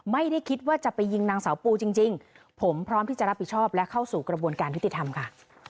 ไม่ได้คิดว่าจะไปยิงนางสาวปูจริงผมพร้อมที่จะรับผิดชอบและเข้าสู่กระบวนการยุติธรรมค่ะ